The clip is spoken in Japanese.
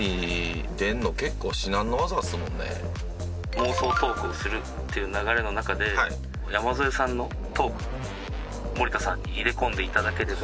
妄想トークをするっていう流れの中で山添さんのトーク森田さんに入れ込んで頂ければ。